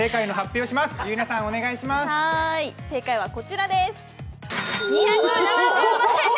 正解はこちらです。